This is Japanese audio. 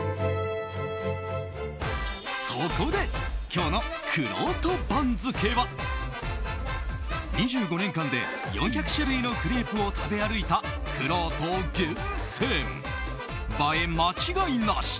そこで今日のくろうと番付は２５年間で４００種類のクレープを食べ歩いたくろうと厳選映え間違いなし！